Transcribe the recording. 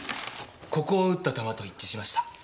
ここを撃った弾と一致しました。